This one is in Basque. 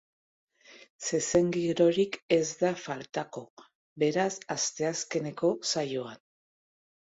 Zezen girorik ez da faltako beraz, asteazkeneko saioan.